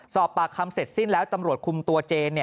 สอบปากคำเสร็จสิ้นแล้วตำรวจคุมตัวเจน